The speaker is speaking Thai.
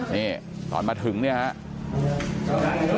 นี่ตอนมาถึงเนี่ยครับ